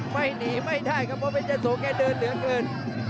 ไม่หนีไม่ได้ครับเพราะเพชรยะโสแกเดินเหลือเกิน